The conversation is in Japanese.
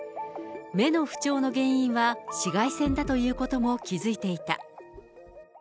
目の不調の原因は、紫外線だということも気付いていた。